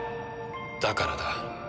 だからだ。